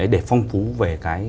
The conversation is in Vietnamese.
để phong phú về